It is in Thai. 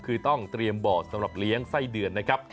คือต้องเตรียมบ่อสำหรับเลี้ยงไส้เดือนนะครับ